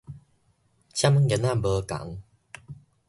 嶄然仔無仝